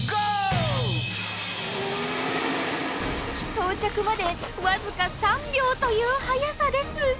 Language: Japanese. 到着までわずか３秒という速さです。